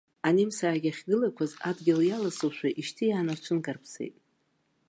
Анемсаагьы ахьгылақәаз адгьыл иаласоушәа ишьҭиааны рҽынкарԥсеит.